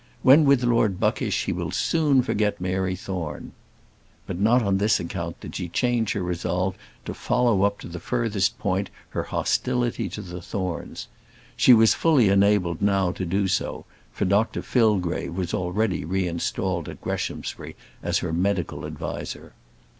When with Lord Buckish he will soon forget Mary Thorne." But not on this account did she change her resolve to follow up to the furthest point her hostility to the Thornes. She was fully enabled now to do so, for Dr Fillgrave was already reinstalled at Greshamsbury as her medical adviser.